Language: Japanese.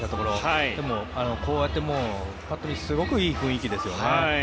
でも、こうやってすごくいい雰囲気ですよね。